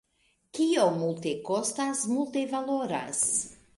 Kio multe kostas, multe valoras.